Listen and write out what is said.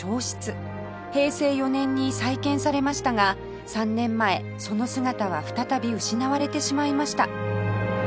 平成４年に再建されましたが３年前その姿は再び失われてしまいました